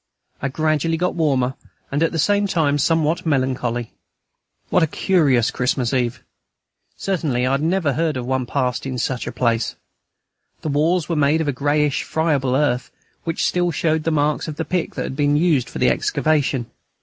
I gradually got warmer, and at the same time somewhat melancholy. What a curious Christmas Eve! Certainly I had never passed one in such a place. The walls were made of a greyish, friable earth, which still showed the marks of the pick that had been used for the excavation.